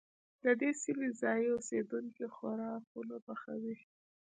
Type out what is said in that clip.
د دې سيمې ځايي اوسيدونکي خوراکونه پخوي.